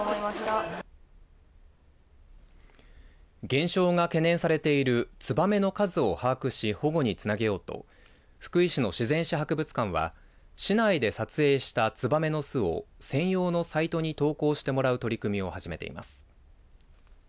減少が懸念されているツバメの数を把握し保護につなげようと福井市の自然史博物館は市内で撮影したツバメの巣を専用のサイトに投稿してもらう取り組みを始めています。